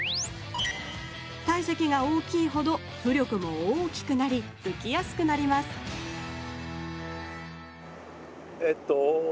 体積が大きいほど浮力も大きくなりうきやすくなりますえっとどうすればいい？